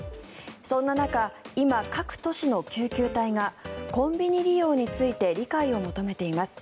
そんな中、今、各都市の救急隊がコンビニ利用について理解を求めています。